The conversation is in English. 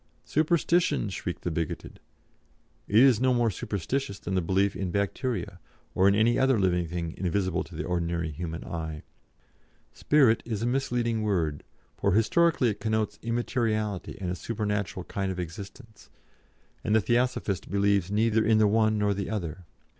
'Superstition!' shriek the bigoted. It is no more superstition than the belief in Bacteria, or in any other living thing invisible to the ordinary human eye. 'Spirit' is a misleading word, for, historically, it connotes immateriality and a supernatural kind of existence, and the Theosophist believes neither in the one nor the other.